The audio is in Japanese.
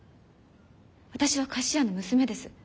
私は菓子屋の娘です。